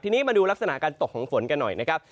ทีนี้มาดูลักษณะการตกของฝนกันหน่อยนะครับ